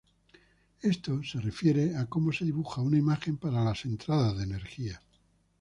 Esto se refiere a cómo se dibuja una imagen para las entradas de energía.